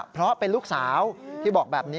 เพราะเป็นลูกสาวที่บอกแบบนี้